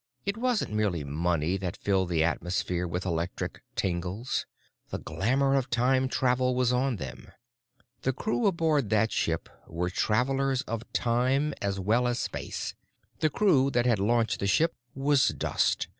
It wasn't merely money that filled the atmosphere with electric tingles. The glamor of time travel was on them. The crew aboard that ship were travelers of time as well as space. The crew that had launched the ship was dust.